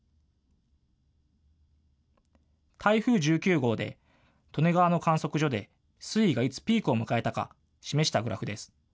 台風１９号で利根川の観測所で水位がいつピークを迎えたか示したグラフです。